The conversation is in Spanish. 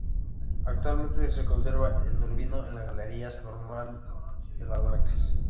Actualmente se conserva en Urbino en la Galería Nacional de las Marcas.